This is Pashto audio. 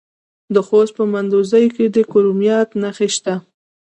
د خوست په مندوزیو کې د کرومایټ نښې شته.